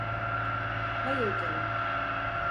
Hayır canım.